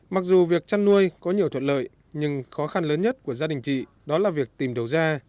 mặc dù việc chăn nuôi có nhiều thuận lợi nhưng khó khăn lớn nhất của gia đình chị đó là việc tìm đầu ra